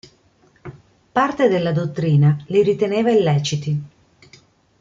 Parte della dottrina li riteneva illeciti.